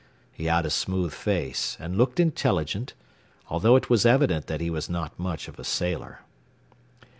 He had a smooth face and looked intelligent, although it was evident that he was not much of a sailor.